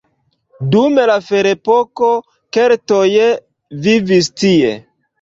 Dum la ferepoko keltoj vivis tie.